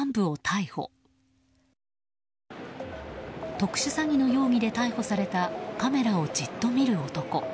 特殊詐欺の容疑で逮捕されたカメラをじっと見る男。